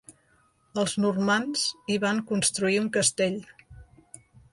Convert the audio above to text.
Els normands hi van construir un castell.